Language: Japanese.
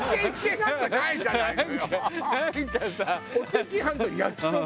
お赤飯と焼きそば？